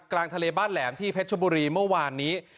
กลางทะเลบ้านแหลมที่เพชรบุรีเมื่อวานนี้